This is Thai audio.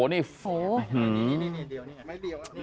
สวัสดีครับคุณผู้ชาย